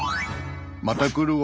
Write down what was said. また来るわ。